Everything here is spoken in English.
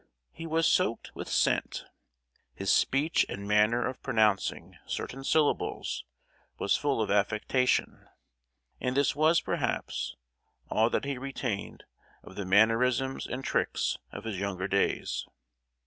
He was soaked with scent. His speech and manner of pronouncing certain syllables was full of affectation; and this was, perhaps, all that he retained of the mannerisms and tricks of his younger days.